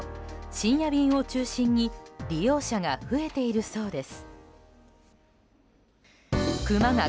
深夜便を中心に利用者が増えているそうです。